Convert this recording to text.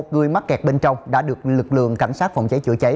một mươi một người mắc kẹt bên trong đã được lực lượng cảnh sát phòng cháy chữa cháy